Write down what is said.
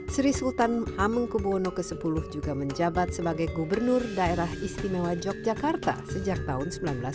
sri sultan hamengkubwono x juga menjabat sebagai gubernur daerah istimewa yogyakarta sejak tahun seribu sembilan ratus sembilan puluh